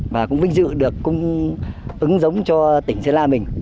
và cũng vinh dự được cũng ứng giống cho tỉnh sơn la mình